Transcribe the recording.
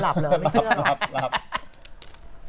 หลับหรือไม่เชื่อหลับหลับ